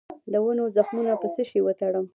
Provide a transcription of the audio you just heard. د ونو زخمونه په څه شي وتړم؟